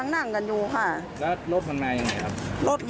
ร้องไห้เขาอะไรไหม